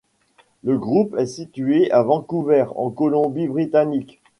Le groupe est situé à Vancouver, en Colombie-Britannique.